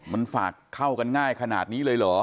มันฝากเข้ากันง่ายขนาดนี้เลยเหรอ